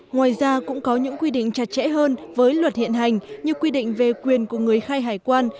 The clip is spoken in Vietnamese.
ngoài ra cũng có những quy định chặt chẽ hơn với luật hiện hành như quy định về quyền của người khai hải quan